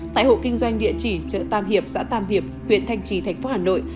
tại hộ kinh doanh địa chỉ chợ tam hiệp xã tam hiệp huyện thanh trì thành phố hà nội